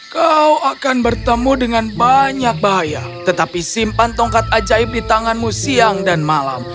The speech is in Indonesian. kau akan bertemu dengan banyak bahaya tetapi simpan tongkat ajaib di tanganmu siang dan malam